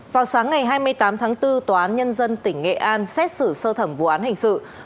vào sáng ngày hai mươi tám tháng bốn tòa án nhân dân tỉnh nghệ an xét xử sơ thẩm vụ án hình sự